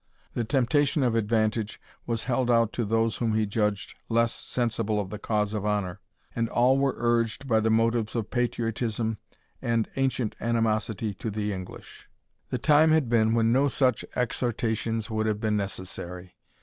The temptation of advantage was held out to those whom he judged less sensible of the cause of honour, and all were urged by the motives of patriotism and ancient animosity to the English. The time had been when no such exhortations would have been necessary.